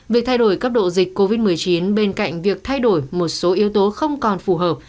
việc thay đổi cấp độ dịch covid một mươi chín bên cạnh việc thay đổi một số yếu tố không còn phù hợp